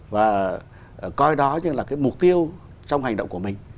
và coi đó như là cái mục tiêu trong hành động của mình